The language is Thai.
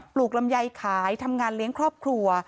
ลูกลำไยขายทำงานเลี้ยงครอบครัว